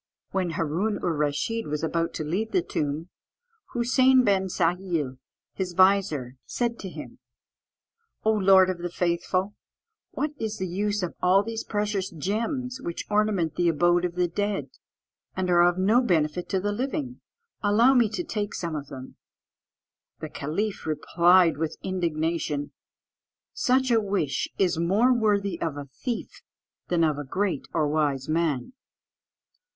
When Hâroon oor Rasheed was about to leave the tomb, Hoosein ben Sâhil, his vizier, said to him: "O Lord of the Faithful, what is the use of all these precious gems which ornament the abode of the dead, and are of no benefit to the living? Allow me to take some of them." The caliph replied with indignation, "Such a wish is more worthy of a thief than of a great or wise man."